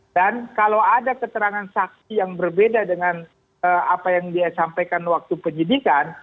dan kalau ada keterangan saksi yang berbeda dengan apa yang dia sampaikan waktu penyidikan